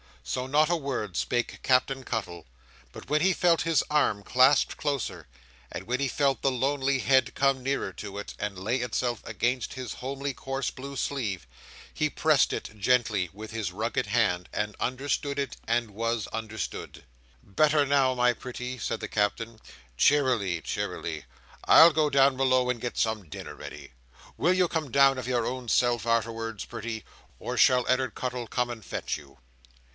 So not a word spake Captain Cuttle. But when he felt his arm clasped closer, and when he felt the lonely head come nearer to it, and lay itself against his homely coarse blue sleeve, he pressed it gently with his rugged hand, and understood it, and was understood. "Better now, my pretty!" said the Captain. "Cheerily, cheerily, I'll go down below, and get some dinner ready. Will you come down of your own self, arterwards, pretty, or shall Ed'ard Cuttle come and fetch you?"